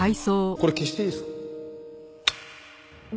これ消していいですか？